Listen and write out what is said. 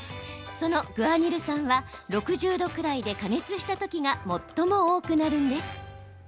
そのグアニル酸は６０度くらいで加熱した時が最も多くなるんです。